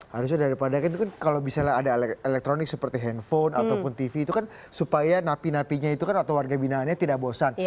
harusnya daripada itu kan kalau misalnya ada elektronik seperti handphone ataupun tv itu kan supaya napi napinya itu kan atau warga binaannya tidak bosan